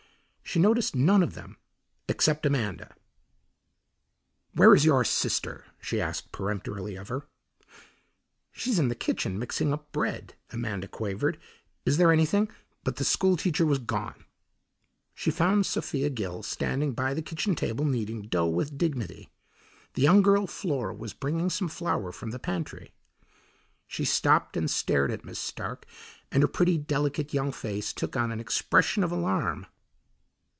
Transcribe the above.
She noticed none of them except Amanda. "Where is your sister?" she asked peremptorily of her. "She's in the kitchen mixing up bread," Amanda quavered; "is there anything " But the school teacher was gone. She found Sophia Gill standing by the kitchen table kneading dough with dignity. The young girl Flora was bringing some flour from the pantry. She stopped and stared at Miss Stark, and her pretty, delicate young face took on an expression of alarm.